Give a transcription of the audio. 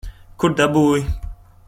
Kur dabūji?